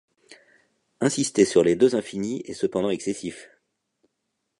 Insister sur les deux infinis est cependant excessif.